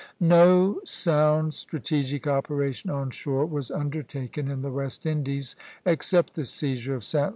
No sound strategic operation on shore was undertaken in the West Indies except the seizure of Sta.